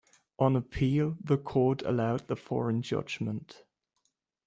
On Appeal the Court allowed the foreign judgment.